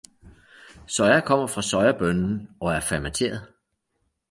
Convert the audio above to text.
Soya kommer fra soyabønnen og er fermenteret.